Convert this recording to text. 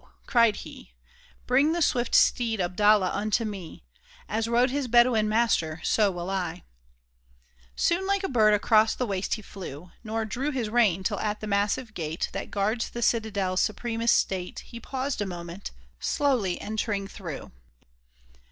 " cried he, " Bring the swift steed Abdallah unto me ! As rode his Bedouin master, so will I !" Soon like a bird across the waste he flew. Nor drew his rein till at the massive gate That guards the citadel's supremest state He paused a moment, slowly entering through.